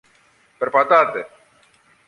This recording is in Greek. Περπατάτε!